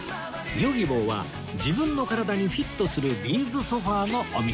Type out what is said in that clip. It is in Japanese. ヨギボーは自分の体にフィットするビーズソファのお店